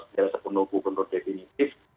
tidak sepenuh gubernur definitif